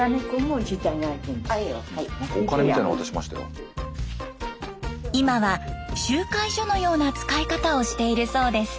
今は集会所のような使い方をしているそうです。